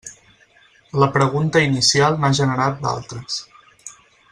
La pregunta inicial n'ha generat d'altres.